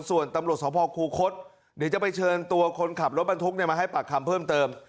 ส่วนตำรวจสภคูคศเดี๋ยวจะไปเชิญตัวคนขับรถบรรทุกมาให้ปากคำเพิ่มเติม